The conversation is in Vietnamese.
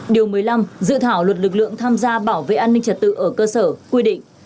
điều một mươi năm dự thảo luật lực lượng tham gia bảo vệ an ninh trật tự ở cơ sở quy định